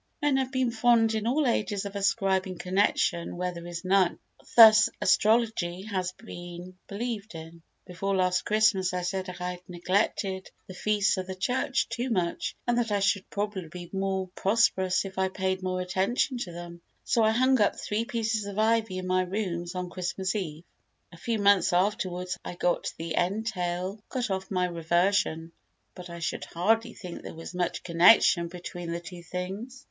Men have been fond in all ages of ascribing connection where there is none. Thus astrology has been believed in. Before last Christmas I said I had neglected the feasts of the Church too much, and that I should probably be more prosperous if I paid more attention to them: so I hung up three pieces of ivy in my rooms on Xmas Eve. A few months afterwards I got the entail cut off my reversion, but I should hardly think there was much connection between the two things.